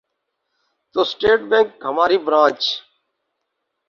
تو State Bank ہماری branch